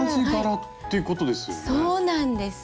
そうなんです！